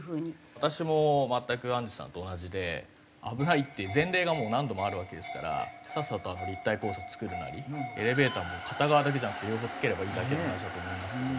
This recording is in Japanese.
私も全くアンジュさんと同じで危ないっていう前例がもう何度もあるわけですからさっさと立体交差を造るなりエレベーターも片側だけじゃなくて両方付ければいいだけの話だと思いますけども。